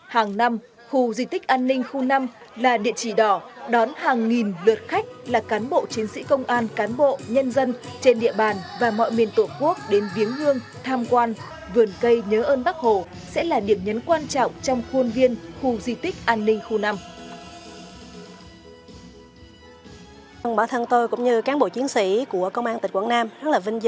hàng năm khu di tích an ninh khu năm là địa chỉ đỏ đón hàng nghìn lượt khách là cán bộ chiến sĩ công an cán bộ nhân dân trên địa bàn và mọi miền tổ quốc đến viếng hương tham quan